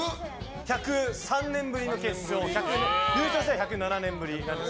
１０３年ぶりの決勝優勝したら１０７年ぶり。